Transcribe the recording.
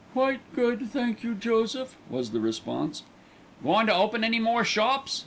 "Quite good, thank you, Joseph," was the response. "Goin' to open any more shops?"